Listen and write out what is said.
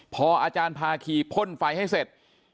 พออาจารย์ภาคีพ่นไฟให้เสร็จ